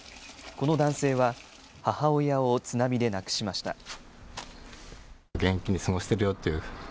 この男性は、母親を津波で亡くしました。